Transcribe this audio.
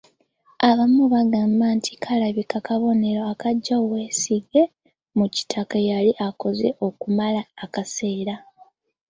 Abamu bagamba nti kalabika kabonero akaggya obwesige mu Kitaka eyali akoze okumala akaseera.